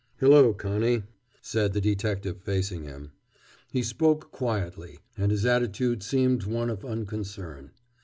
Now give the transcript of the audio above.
"Hello, Connie!" said the detective facing him. He spoke quietly, and his attitude seemed one of unconcern.